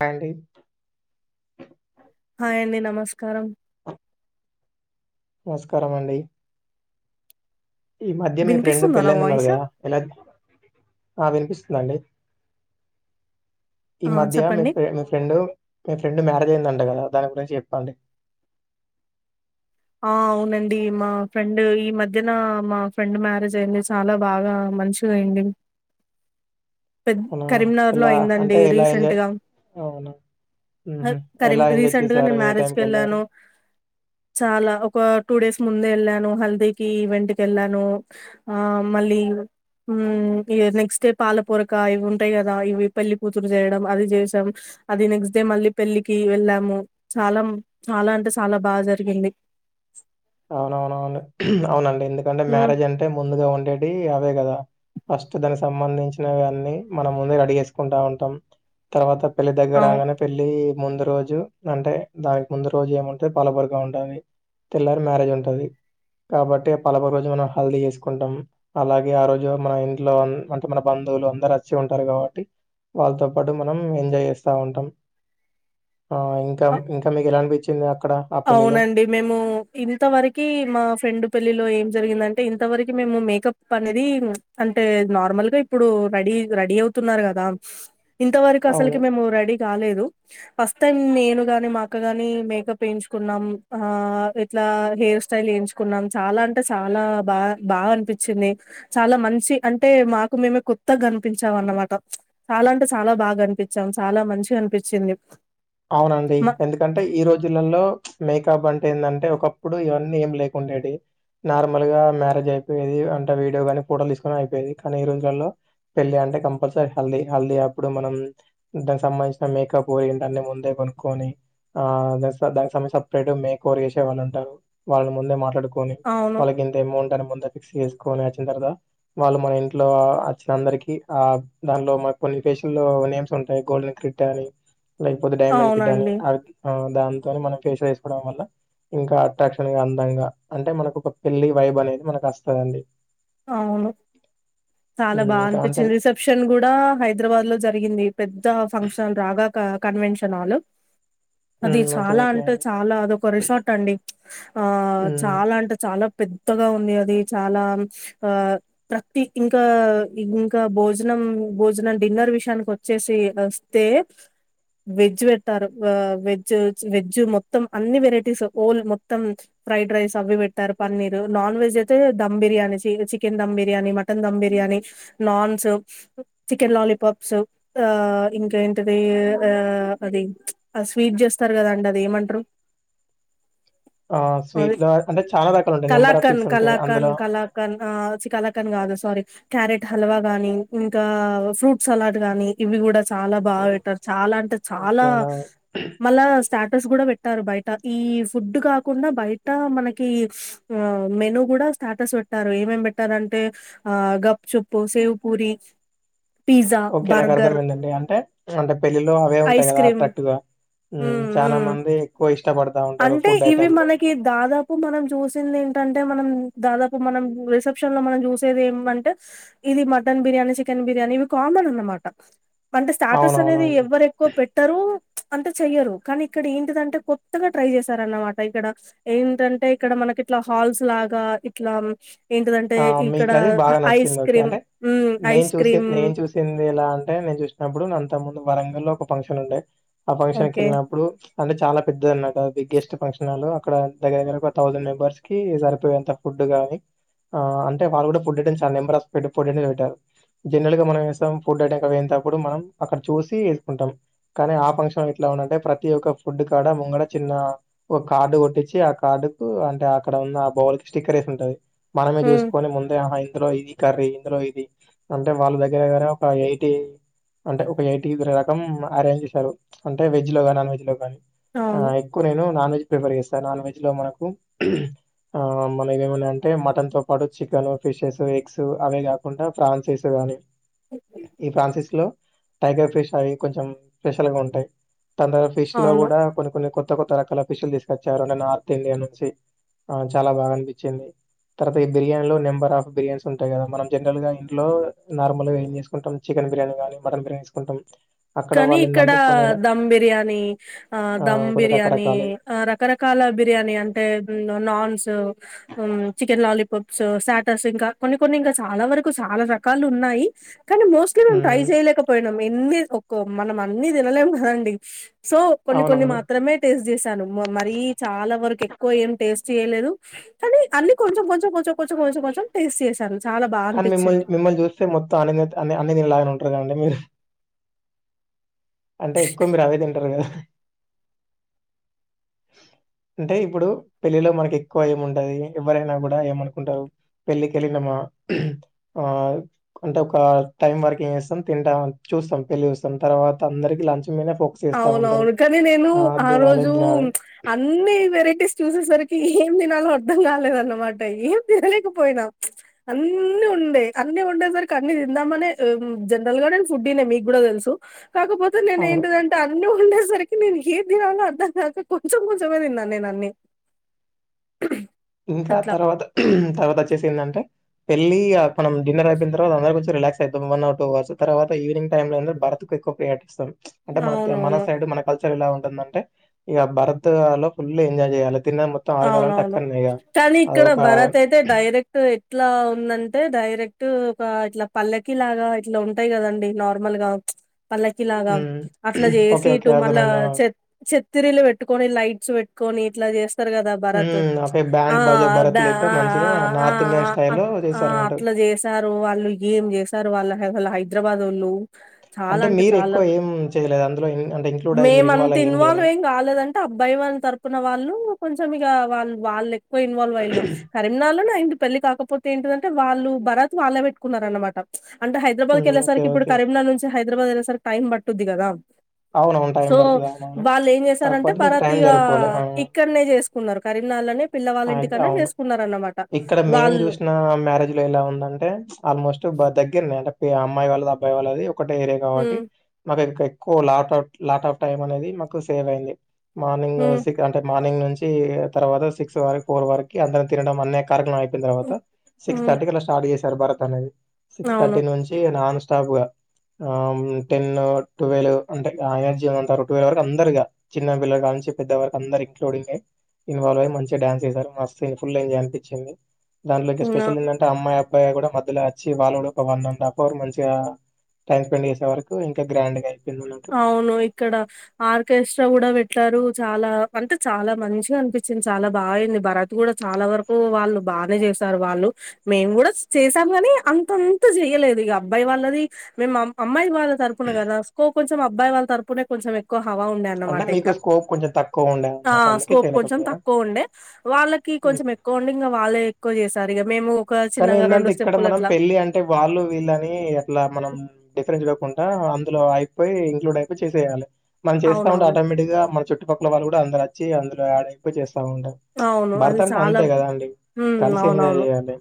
Hi అండి hi అండి నమస్కారం. నమస్కారం అండి ఈ మధ్య మీ ఫ్రెండ్ వినిపిస్తుందా పెళ్లి నా అన్నారు వాయిస్? కదా ఎలాగ ఆ వినిపిస్తుందండి ఈ ఆ! మధ్య మీ చెప్పండి. ఫ్రెం ఫ్రెండ్ మీ ఫ్రెండ్ మ్యారేజ్ అయిందట కదా దాని గురించి చెప్పండి ఆ అవునండి మాక్ ఫ్రెండ్ ఈ మధ్యనా మా ఫ్రెండ్ మ్యారేజ్ అయింది చాలా బాగా మంచిగైంది పెద్ అవునా కరీంనగర్ లో ఎలా అయిందండి అంటే ఎలా ఎంజాయ్ రీసెంట్గా అవునా మ్హూ కర్ ఎలా ఎంజాయ్ రీసెంట్గా చేశారు నేను ఏ మ్యారేజ్ టైంకెళ్ళారు కెళ్ళాను చ అలా ఒక టూ డేస్ ముందే ఎళ్ళాను హల్దీకి ఈవెంట్ కేళ్ళాను ఆ మళ్ళీ ఉమ్ ఇగ నెక్స్ట్ డే పాలపోరక ఇవి ఉంటయి గదా ఇవి పెళ్ళి కూతురు చేయడం అది చేసాం అది నెక్స్ట్ డే మళ్ళీ పెళ్ళికి వెళ్ళాము చాలా మ చాలా అంటే చాలా బాగా జర్ గింది అవునవునవును ఉహ్ అవునండి ఎందుకంటే హ్మ్ మ్యారేజ్ అంటే ముందుగా ఉండేటియి అవే గదా ఫస్ట్ దానికి సంబంధించినవి అన్నీ మనం ముందు రెడీ చేసుకుంటా ఉంటాం తర్వాత పెళ్ళి దగ్గర అవు రాగానే పెళ్ళీ ముందు రోజు అంటె దానికి ముందు రోజు ఏముంటంది పాల పోర్క ఉంటది తెల్ల మ్యారేజ్ ఉంటది కాబట్టి పాలపోర్క రోజు మనం హల్దీ చేసుకుంటాం అలాగే ఆ రోజు మన ఇంట్లో అన్ అంటే మన బన్ ధువులు అందరు అచ్చి ఉంటరు కాబట్టి వాళ్ళతో పాటు మనం ఎంజాయ్ చేస్తా ఉంటాం. ఆహ్ ఇంక అ ఇంక మీకు ఎలా అనిపించిందా అవునండి మేము ఇంతవరకి మా ఫ్రెండ్ పెళ్ళిలో ఏం జరిగిందంటె ఇంతవరకి మేము మేకప్ అనేది అన్ టె నార్మల్గా ఇప్పుడు రెడీ రెడి అవుతున్నారు గదా ఇంతవరకు అవును. అసల్కి మేము రెడీ గాలేదు ఫస్ట్ టైం నేను గాని మా అక్క గాని మేకప్ ఎంచుకున్నాం ఆహ్ ఇట్లా హెయిర్ స్టైల్ ఎంచుకున్నాం చాలా అంటే చాలా బా బా బాగ అనిపించింది చాలా మంచి అంటె మాకు మేమే కొత్త గనిపించాం అన్నమాట చాలా టె చాలా బాగా కనిపించాం చాలా మంచిగ అనిపించింది. అవునండి ఎందుకంటే ఈ రోజులల్లో మేకబ్ అంటే ఏందంటే ఒకప్పుడు ఇవన్నీ ఏం లేకుండెటియి నార్మల్ గా మ్యారేజ్ అయిపోయేది అంటే వీడియో గానీ, ఫోటోలు తీసుకొని అయిపోయేది కానీ ఈ రోజులల్లో పెళ్ళి అంటే కంపల్సరీ హల్దీ హల్దీ అప్పుడు మనం దానికి సంబంధించిన మేకప్ అన్ని ముందే కొనుక్కోని ఆహ్ దాని స దాని సంబంధించిన సపరేట్ మెకోవర్ చేషెవాళ్ళు ఉంటరు వాళ్ళు మొ ముందే మాట్లాడుకొని అవును వాళ్ళకి ఇంత అమౌంట్ అని ముందె ఫిక్స్ చేసుకొని ఒచ్చిన తర్వత వాళ్ళు మన ఇంట్లో అచ్చిన అందరికి ఆహ్ దానిలో మన కొన్ని ఫేషిల్లొ నేమ్స్ ఉంటయి గోల్డెన్ కిట్టా అని లేకపోతే డైమండ్ కిట్టా అని అవునండి. అది అహ్ దాంతోని మనం ఫెషియల్ ఎసుకోవడం వల్ల ఇంకా అట్రాక్షన్ గా అందంగా అంటె మనకు ఒక పెళ్ళి వైబ్ అనేది ది మనకొస్తదండి ఆవును చాలా ఉమ్, బా ఇంకా అంటే అనిపిచింది రిసెప్షన్ గూడా హైద్రాబాద్ లో జరిగింది పెద్ ద్ద ఫంక్షన్ రాగాక కన్వెన్షన్ హలు అది ఉమ్, ఓకే చాలా ఓకే అంటె అండి చాలా అదొక రిసార్ట్ అండి ఆహ్ ఉమ్, చాలా అంటె చాలా పెద్దగా ఉంది అది చాలా ఆహ్ ప్రతి ఇంకా ఇంకా భోజనం భోజనం డిన్నర్ విషయానికి ఒచ్చేసి యె ఒస్తే వెజ్ వెట్టారు వ వెజ్ వెజ్ మొత్తం అన్ని వెరైటీస్ ఓల్ మొత్తం ఫ్రైడ్ రైస్ అవి వెట్టారు పన్నీర్ నాన్ వెజ్ అయితే దమ్ బిర్యానీస్ తె ఇగ chicken dum biryani mutton dum biryani naans chicken లాలి పప్సు ఆహ్ ఇంకా ఏంటిది ఆహ్ అది ఆ స్వీట్ చేస్తరు గదండి అది ఏమంటరు ఆ స్వీట్ల అంటే చాలా రకాలుంటయ్ నెంబర్ ఆఫ్ స్వీట్స్ ఉంటయ్ అందులో అ చి కాలక్కన్ గాదు సారీ క్యారెట్ హల్వా గానీ ఇంకా ఫ్రూట్ సలాడ్ గానీ ఇవి గూడా చాలా బాగా పెట్టారు చాలా అంటే చాలా ఓకేనా మళ్ళా స్టాటస్ గూడా వెట్ ట్టరు బయట ఈ ఫుడ్ కాకుండా బయట మనకి ఆ మెను గూడా స్టాటస్ వె పెట్టారు ఏమేం పెట్టారంటే ఆ గప్చుప్పు సేవు పూరి పిజ్జా ఓకే నాకు బర్గర్ అర్థమైందండి అంటే అంటే పెళ్ళిలో అవే ఉంటాయి ఐస్ కదా క్రీమ్ అట్రాక్టివ్ గా ఉమ్ చాలా మంది ఎక్కువ ఇష్టపడతా ఉంటారు అంటే ఫుడ్ ఇవి ఐటెం లు మనకి దాదాపు మనం చూసింది ఏంటంటే మనం దాదాప్ మనం రిసెప్షన్ లో మనం చూసేది ఏమ్ అంటే ఇది మటన్ బిర్యానీ చికెన్ బిర్యానీ ఇవి కామన్ అన్ మాట అంటే స్టాటస్ అనేది అవునవునండి ఎవ్వరు ఎక్కువ పెట్టరు అంత చెయ్యరు కానీ ఇక్కడ ఏంటిదంటే కొత్తగా ట్రై చేశారన్నమాట ఇక్కడ ఏంటంటే ఇక్కడ మన ఇట్లా హాల్స్ లాగా ఇట్లా ఏంటిదంటే ఆ ఇక్కడ మీకు అది అ బాగా ఐస్ నచ్చింది ఓకే క్రీమ్ అంటే హ్మ్ నేను ఐస్ చూసి క్రీమ్ నేను చూసింది ఎలా అంటే నేన్ చూసినప్పుడు అంత ముందు వరంగల్ లో ఒక ఫంక్షన్ ఉండే ఆ ఫంక్షన్ ఓకే. వెళ్ళినప్పుడు అంటే చాలా పెద్దది అన్నట్ అది బిగ్గెస్ట్ ఫంక్షన్ హాలు అక్కడ దగ్గర దగ్గర ఒక థౌసండ్ మెంబర్స్ కి సరిపోయేంత ఫుడ్ గాని ఆ అంటే వాళ్ళు కూడా food items number of food item లు పెట్టారు జనరల్ గా మనం చేస్తాం ఫుడ్ ఐటమ్ వేయినటప్పుడు మనం అక్కడ చూసి వేసుకుంటాం కానీ ఆ ఫంక్షన్ ఎట్లా అంటే ప్రతి ఒక్క ఫుడ్ కాడ ముంగడ చిన్న ఒక కార్డు కొట్టించి ఆ కార్డు కు అంటే అక్కడ ఉన్న ఆ బౌల్ కి స్టిక్కర్ ఎసి ఉంటది మనమే హ్మ్. చూసుకొని ముందే ఆహ ఇందులో ఇది కర్రీ ఇందులో ఇది అంటే వాళ్ళ దగ్గర దగ్గర ఒక ఎయిటీ అంటే ఒక ఎయిటీ ద్ ఫ్రమ్ అరేంజ్ చేసారు అంటే వెజ్ లో గాని నాన్ వెజ్ లో గాని ఆ అవును. ఎక్కువ నేను నాన్ వెజ్ ప్రిపేర్ చేస్తా నాన్ వెజ్ లొ మనకు ఆవేమున్నాయి అంటే మటన్ తో పాటు చికెన్ ఫిషెస్ ఎగ్స్ అవే కాకుండా ప్రాన్సీస్ గానీ ఈ ఫ్రాన్సిస్ లో టైగర్ ఫిష్ అవి కొంచెం స్పెషల్ గా ఉంటాయి తన ఫిష్ లో అవును. కూడా కొన్ని కొన్ని కొత్ త్త కొత్త రకాల పిషులు తీసుకొచ్చారు నిన్నా నార్త్ ఇండియా నుంచి ఆ చాలా బాగా అనిపించింది తర్వాత ఈ బిర్యానీలో నెంబర్ ఆఫ్ బిర్యన్స్ ఉంటాయి కదా మనం జనరల్ గా ఇంట్లో నార్మల్ గా ఏం చేసుకుంటాం చెన్ బిర్యానీ కానీ మటన్ బిర్యానీ చెసుకుంటాం కానీ ఇక్కడ దమ్ బిర్యాని ఆ దమ్ ఆహ్, కొన్ని బిర్యాని రకరకాలయి. ఆ రకరకాల బిర్యాని అంటే నాన్స్ చికెన్ లాలీపాప్స్ స్టటర్స్ ఇంకా కొన్ని కొన్ని ఇంకా చాలా వరకు చాలా రకాలు ఉన్నాయ్ కానీ మోస్ట్లీ మేము ట్రై హ్మ్. చేయలేకపోయినాం ఎన్ని ఒక మనం అన్ని తినలేం కదండి సో కొన్ని కొన్ని అవునవును. మాత్రమే టేస్ట్ చేసాను మరీ చాలా వరకెక్ ఎక్కువ ఏం టేస్ట్ చేయలేదు కానీ అన్ని కొంచెం కొంచెం కొంచెం కొంచెం కొంచెం కొంచెం టేస్ట్ చేశాను చాలా బాగా కానీ అనిపించింది మిమ్మల్ని మిమ్మల్ని చూస్తే మొత్తం అన్ని అన్నిదినె లాగానే ఉంటారు కదండి మీరు అంటే ఎక్కువ మీరు అవే తింటారు గదా అంటే ఇప్పుడు పెళ్ళిలో మనకి ఎక్కువ ఏముంటది ఎవరైనా కూడా ఏమనుకుంటారు పెళ్ళికెళ్ళినమా ఆ అంటే ఒక టైం వరకి ఎం తిస్తాం తింటా చూస్తాం పెళ్లి చూస్తాం తర్వాత అందరికి లంచ్ మీదనే ఫోకస్ చేస్తా ఉంటారు. అవునవును కానీ నేను అది ఆ తినాలి, ఇది రోజు తినాలి. అన్ని వెరైటీస్ చూసేసరికి ఏం తినలో అర్ధం కాలేదన్నమాట ఎం తినలేకపోయినా అన్ని ఉండే అ అన్ని ఉండే సరికి అన్ని తిందామనే మ్ జనరల్ గా నేను ఫుడ్డి నె మీకు కూడా తెలుసు కాకపోతే నేను అవును. ఏంటిద అన్ని ఉండేసరికి నేను ఏ తినలో అర్ధం కాక కొంచెం కొంచమే తిన్నా నేను అన్ని ఇంకా అట్లా తర్వాత తర్వాత వచ్చేసి ఏందంటే పెళ్లి ఇగ మనం డిన్నర్ ఐపోయిన తర్వాతఅందరం కొంచం రిలాక్స్ అయితాం వన్ అవర్ టు హౌర్స్ తర్వాత ఈవినింగ్ టైమ్ లో అందర్ భరత్ కి ఎక్కువ ప్రియారిటీ ఇస్తాం అంటే మన మన అవునవును సైడ్ మన కల్చర్ ఎలా ఉంటుందంటే ఇగ భారత్ లో ఫుల్లు ఎంజాయ్ చేయాలే తిన్నది మొత్తం ఆరగాలంట్ అ అవునవును కానీ ఇక్కడ భరత్ అయితే డైరెక్ట్ ఎట్లా ఉందంటే డైరెక్ట్ ఒక ఇట్లా పల్లకి లాగా ఇట్లా ఉంటాయి కదండి నార్మల్ గా పల్లకి లాగా హ్మ్ అట్లా చేసి ఓకే ఓకే ఇటు మళ్ళా అర్థమైందా చెత్ చెత్తిరీలు పెట్టుకొని లైట్స్ పెట్ కొన్ని ఇట్లా చేస్ తర్గదా భరత్ హ్మ్ ప్చ్ ఓకే ఆ బ్యాండ్ ఆ బాజా భరత్ అద్ ఆ లేక ఆ మంచిగా ఆ ఆ నార్త్ ఇండియన్ ఆ ఆ స్టైల్లో ఆ చేశారన్నట్టు అట్లా జే జేసారు వాళ్ళు ఏం జేసారు వాళ్ళ అసలు వాళ్ళ హైదరాబాదొళ్ళు చాలా అంటే మీరు చాలా ఎక్కువ ఏం చేయలేదు అందులో ఇన్ అంటే ఇంక్లూడ్ అయ్యి మీరు మేమంతా అయ్యి ఇన్వాల్వ్ చేయలేదా ఏం గాలేదంటే అప్ బైవన్ తరపున వాళ్ళు కొంచెం ఇగా వాళ్ళు వాళ్లేక్కువ ఇన్వాల్వ్ అయిల్లు కరీంనల్లోనే అయింది పెళ్లి కాకపోతే ఏంటిదంటే వాళ్ళు భరాత్ వాళ్ళే వెట్టుకున్నరన్నమాట ప్చ్ అంటే హైద్రాబాద్ హ్మ్ ఓకే కెళ్లేసరికిప్పుడు ఓకే కరీంనగర్ నుంచి హైద్రాబాద్ ఏళ్లేసరికి టైం పట్టుద్ది కదా అవునవును. టైం సో పడతది. అవునవును. వాళ్ళేంజేసారంటే కాకపోతే నీకు భరత్ టైం ఇగా సరిపోలే. ఆ! చేసుకున్నారు కరీంనాళ్ళనే పిల్లవాళ్ళ అయి ఇంటికాన్నే అవును. చేస్కున్నరన్నట్ ఇక్కడ మేం జూశిన మ్యారేజ్ లో ఎలా ఉందంటే ఆల్మోస్ట్ బా దగ్గర్నె అంటే అమ్మాయి వాళ్ళది అబ్బాయి వాళ్ళది ఒకటే ఏరియా కాబట్టి హ్మ్ మాకు ఇంకా కో లాట్ ఆఫ్ లాట్ ఆఫ్ టైమనేది మాకు సేవైంది మార్నింగు హ్మ్ సికు అంటె మార్ని మార్నింగ్ నుంచి తర్వాత సిక్స్ వరక్ ఫోర్ వరకి అందరు తినడం అన్ కారెక్రమైపెయినా తర్వాత సిక్స్ హ్మ్ థర్టీ కట్ల స్టార్ట్ జేసారు భరత్ అనేది సిక్స్ అవును థర్టీ నుంచి నాన్స్ నాకూడా ఆమ్ టెన్ను టువెలు అంటే ఆ ఎనర్జీ అంటారు టువెల్ వరకు అందరిగా చిన్నపిల్లల కాడ నుంచి నుంచి పెద్ద వరకు అందరు ఇట్లులూడింగ్ ఇన్వాల్వ్ అయి మంచి డాన్స్ ఏసారు మస్త్ ఫుల్ ఎంజాయ్ అనిపిచ్చింది దానిలోకి హ్మ్. ఆ! స్పెషల్ ఏందంటే అమ్మాయి అబ్ అబ్బాయి కూడా మధ్యలచ్చి వాళ్ళ కూడా ఒక వన్ అండ్ హాఫ్ అవర్ మంచిగా టైమ్ స్పెండ్ చేసేవరకు ఇంకా గ్రాండ్ గా అయింది అవును ఇక్కడ ఆర్కేస్ట్రా గూడా వెట్ అంటరు చాలా అంటే చాలా మంచిగా అనిపిచ్చింది చాలా బా ఐంది భరత్ గూడా చాలా వరకు వాళ్ళు బానే చేసారు వాళ్ళు మేం గూడా చేసాము గానీ అంతంత చేయలేదు ఇగ అబ్బాయి వాళ్ళది మేం మమ్ అమ్మాయి వాళ్ళ తరపున కదా స్కో కొంచం అబ్బాయి వాళ్ళ తరపునే కొంచెం ఎక్ ఎక్కువ హవా అంటే ఉండేన్నమాట మీకు ఇంకా స్కోప్ కొంచెం తక్కువ ఉండే ఆ అన్నట్టు అందుకే స్కోప్ కొంచెం చేయలేకపోయారా తక్కువుండే వాళ్ళకి కొంచెం ఎక్కువుండే ఇంగా వాళ్ళ ఎక్ ఎక్కువ జేసారిగా మేము ఒక కానీ చిన్నగా ఏందంటే ఇక్కడ స్టెప్పులు మనం అట్లా పెళ్ళి అంటే వాళ్ళు వీళ్ళని అట్లా మనం డిఫరెన్స్ చుడకు టా అందులో అయిపోయి ఇంక్లూడ్ అయిపోయి చేసేయాలే మనం చేస్తా ఉంటే అవునవును. ఆటోమేటిక్ గా మన చుట్ ట్టు పక్కల వాళ్ళు గూడా అందరచ్చి అందులో ఎక్వ చేస్త్ ఉంటర్ అవును. అది భారత్ అంటే చాలా అంతే కదాండి కల్సి ఎంజాయ్ జేయ్యాలే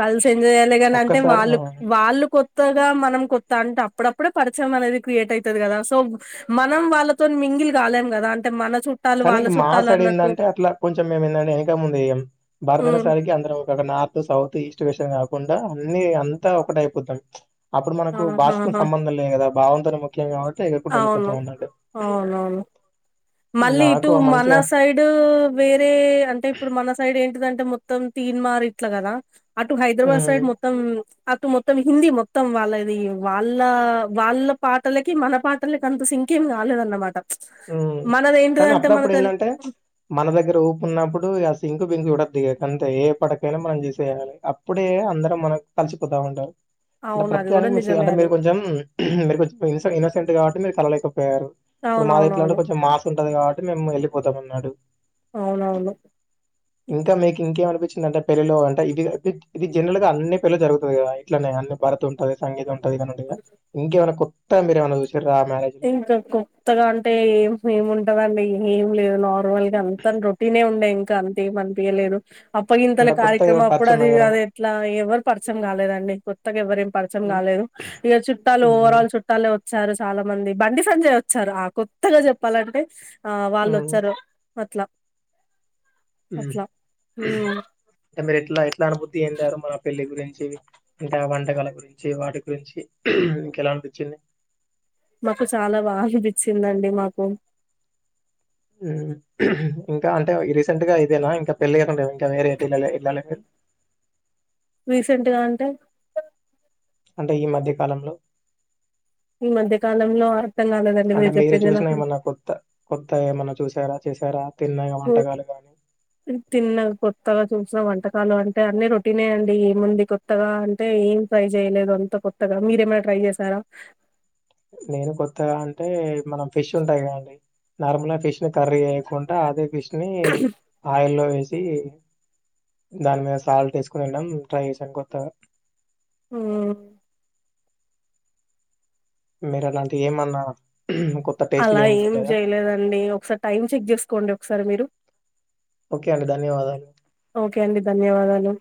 కల్సి ఎంజాయ్ జేయాలి గానంటే వాళ్ళు వాళ్ళు కొత్ త్తగా మనం కొత్త అంటే అప్పుడప్పుడే పరిచయం అనేది క్రియేట్ ఐతది గదా సో మనం వాళ్ళతోని మీం మింగిల్ గాలేం గదా అంటే మన చుట్టాలు కానీ వాళ్ళ మా చుట్టాలు సడ్ అన్నట్టు ఏందంటే అట్ల కొంచెం మేమేందంటే ఎనకముందు వేయం భారతనే ఉమ్ సరికి అందరం ఒక నార్త్ సౌత్ ఈస్ట్ వెస్ట్ అని కాకుండా అన్ని అంతా ఒకటైపోతున్ ప్చ్ అపుడు మనకు భాషతోన్ ఆహాహా సంబంధం లేదు కదా భావంతోనే ముఖ్యం కాబట్టి చేయకుండా అవును వెళ్లిపోతాం ఉంది అంటే అవునవును మళ్ళీ ఇటు మన సైడూ వేరే అంటే ఇపుడు మన సైడే ఏంటిదంటే మొత్తం తీన్మార్ ఇట్లా గదా అటు హైద్రాబాద్ సైడ్ హ్మ్ మొత్తం అట్ మొత్తం హిందీ మొత్తం వాళ్ళది వాళ్ళ వాళ్ళ పాటలకి మన పాటలకి అంత సింకేం గాలేదన్నమాట హ్మ్. కానీ అపుడప్పుడు ఏందంటే ప్చ్ మన దగ్గర ఊపు ఉన్నప్పుడు ఆ సింగ్ చూడొద్దు ఇగా అంతే ఏ పడకైనా మనం జేసేయాలి అప్పుడే అందరం మనం కల్సిపోతా ఉంటారు నా అవును అది కూడా ప్రత్దానికి మీరు సింక్ నిజమే అంటే అది మీరు కొంచెం మీరు కొంచం ఇన్నోసెంట్ గవటికి మీరు కలవలేకపోయారు ఇపుడు మాది ఎట్లాంటే అవునవునవును కొంచెం మాస్ ఉంటది కావట్టి మేం ఎళ్ళిపోతమన్నాడు అవునవును ఇంకా మీకు ఇంకేమనిపించి ఏందంటే పెళ్లిలో అంటే ఇది ఇద్ ఇది జెనర్ల్ గా అన్ని పెళ్ళిలో జరుగుతది గదా ఇట్లనే అన్ని భారతుంటది సంగీత్ ఉన్ టదిగన్నట్టుగా ఇంకెవన్న కొత్తగా మీరెవన్న జూశిర్ ఇంకా కొత్తగా అంటే ఏం ఏముంటదండి ఏం లేదు నార్ హోల్గంతర్ రొటీనే ఉంటే అంత అంతేమనిపియలేదు అప్పగింతల అంటే కొత్తగా కార్యక్రమంప్పుడు పరిచయం అది అయ్యారా? అది ఎట్లా ఎవ్వరు పర్చం గాలేదండి కొత్తగ ఎవ్వరేం పర్చం హ్మ్. కాలేదు ఇగ చుట్టాలు హ్మ్. ఓవరాల్ చుట్టాలే ఉండే వచ్చారు చాలా మంది బండి సంజయ్ ఓచ్చారు ఆ కొత్తగా జేప్పాలంటే ఆ ఉమ్ వాల్లోచారు అట్ల మ్మ్ అట్ మీరె ఎట్లా ఎట్లా అనబుద్ధి ఐందారు మన పెళ్లి గురించి ఇంకా వంటకాల గురించి వాటి గురించి మీకెలా అన్పించింది మాకు చాలా బాగానిపించిందండి మాకు మ్మ్ ఇంకా అంటే రీసెంట్ గా ఇదేనా ఇంకా పెళ్ళికాకుండా ఇంకా వేరేటయాయిళ్ళలేద రీసెంట్గా అంటే అంటే ఈ మధ్య కాలంలో ఈ మధ్య కాలంలో అర్థం కాలేదండి అంటే మీరు చెప్పింది చూసినా నాకు ఏమన్నా కొత్త కొత్త ఏమన్నా చూసారా చెసార ఉ నెన్ తిన్నఒక్కరోజు చూసినా వంటకాలు అంటే అన్ని రొటీనే అండి. ఏముంది కొత్తగా అంటే ఏం ఫ్రై చేలేదు అంత కొత్తగా మీరేమైనా ట్రై చేసారా నేను కొత్తగా అంటే మనం ఫిష్ ఉంటదిగదండి నార్మల్ గా ఫిష్ ని కర్రీ ఏయకుంటా అదే ఫిష్ ని ఆయిల్లో వేస్ షి దాని మీద సాల్ట్ ఏస్కోదినటం ట్రై చేసాన్ కొత్తగా మ్మ్ మీరలాంటి ఏమన్నా అలా ఏం జేయలేదండి ఒక్కసారి టైం చెక్ చేస్కోండి. ఒక్కసారి మీరు ఓకే అండి. ధన్యవాదాలు. ఓకే అండి ధన్యవాదాలు